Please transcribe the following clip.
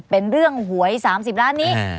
เป็นเรื่องหวย๓๐ล้านนี้